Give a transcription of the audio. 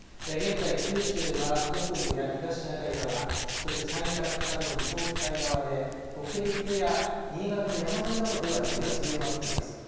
現在、九州は北部や東シナ海側、そして山陰から北の日本海側で、北陸や新潟の山沿いなどでは雪が強まっています。